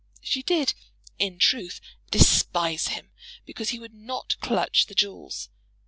She did, in truth, despise him because he would not clutch the jewels.